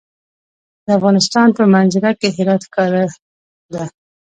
د افغانستان په منظره کې هرات ښکاره ده.